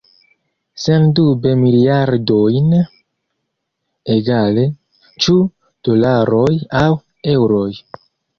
Sendube miliardojn – egale, ĉu dolaroj aŭ eŭroj.